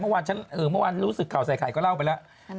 เมื่อวานรู้สึกข่าวใส่ไข่ก็เล่าไปแล้ว